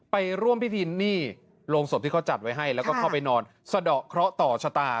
ไปร่วมพิธีนี่โรงศพที่เขาจัดไว้ให้แล้วก็เข้าไปนอนสะดอกเคราะห์ต่อชะตา